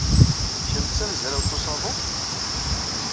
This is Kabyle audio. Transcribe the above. Kemm d tamezrawt n usaḍuf?